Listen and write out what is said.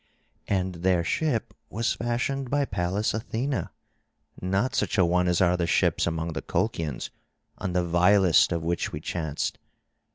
And their ship was fashioned by Pallas Athena, not such a one as are the ships among the Colchians, on the vilest of which we chanced.